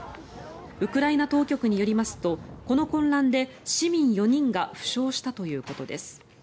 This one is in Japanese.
ウクライナ当局によりますとこの混乱で市民４人が負傷したということです。